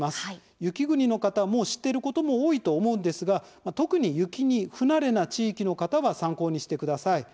雪国の方はもう知っていることも多いと思うんですが特に、雪に不慣れな地域の方は参考にしてください。